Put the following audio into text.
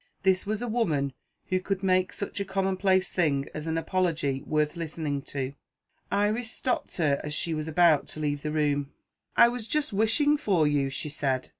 This was a woman who could make such a commonplace thing as an apology worth listening to. Iris stopped her as she was about to leave the room. "I was just wishing for you," she said.